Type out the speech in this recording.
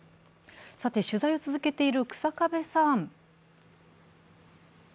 取材を続けている日下部さん。